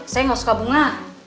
saya gak suka bunga